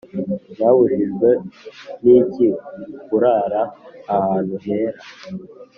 Mwabujijwe n iki kurara ahantu hera